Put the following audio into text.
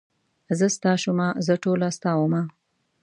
زه ستا شومه زه ټوله ستا ومه.